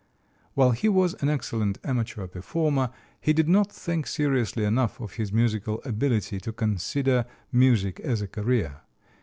While he was an excellent amateur performer, he did not think seriously enough of his musical ability to consider music as a career.